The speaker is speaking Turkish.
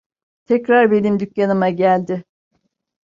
Tekrar benim dükkanıma geldi.